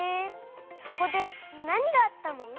そこでなにがあったの？